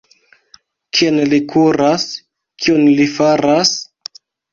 Kien li kuras? Kion li faras?